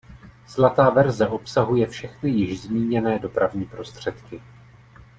Zlatá verze obsahuje všechny již zmíněné dopravní prostředky.